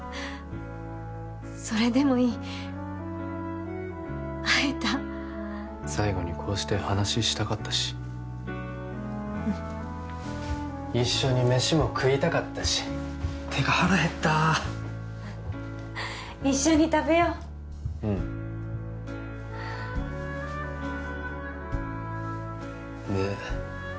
それでもいい会えた最後にこうして話したかったしうん一緒にメシも食いたかったしてか腹減った一緒に食べよううんで